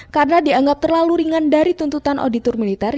karena dianggap terlalu ringan dari tuntutan auditor militer